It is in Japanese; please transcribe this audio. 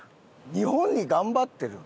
日本に頑張ってる？